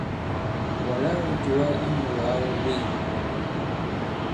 Wàlā wū jùwa inyū wàa wu wèy.